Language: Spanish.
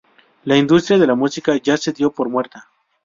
la industria de la música ya se dio por muerta